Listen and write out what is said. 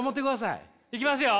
いきますよ。